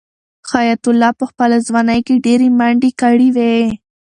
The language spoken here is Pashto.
حیات الله په خپله ځوانۍ کې ډېرې منډې کړې وې.